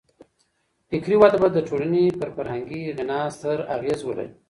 فکري وده به د ټولني پر فرهنګي غنا ستر اغېز ولري.